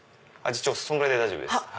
そんぐらいで大丈夫です。